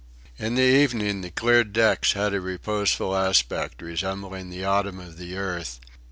In the evening the cleared decks had a reposeful aspect, resembling the autumn of the earth.